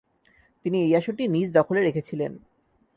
তিনি এই আসনটি নিজ দখলে রেখেছিলেন।